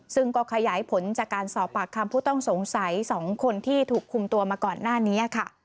ซึ่งก็ขยายผลจากการสอบปากคำผู้ต้องสงสัย๒คนที่ถูกคุมตัวมาก่อนหน้านี้ค่ะ